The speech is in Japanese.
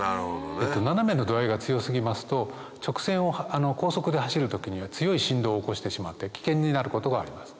斜めの度合いが強過ぎますと直線を高速で走る時には強い振動を起こしてしまって危険になることがあります。